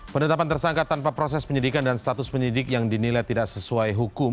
penetapan tersangka tanpa proses penyidikan dan status penyidik yang dinilai tidak sesuai hukum